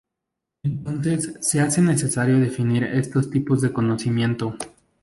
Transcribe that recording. Entonces se hace necesario definir estos tipos de conocimiento.